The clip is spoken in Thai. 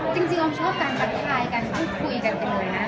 จริงก็ชอบการบันทรายการคุยกันเป็นอย่างน้ำ